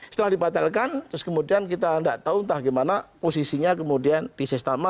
setelah dibatalkan terus kemudian kita tidak tahu entah bagaimana posisinya kemudian disestamas